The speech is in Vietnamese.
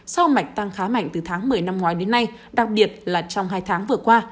sau mạch tăng khá mạnh từ tháng một mươi năm ngoái đến nay đặc biệt là trong hai tháng vừa qua